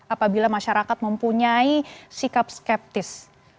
apabila masyarakat mempunyai sikap skeptis